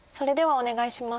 お願いします。